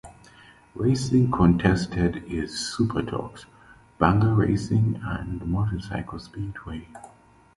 Racing contested is Superstox, Banger racing and Motorcycle speedway.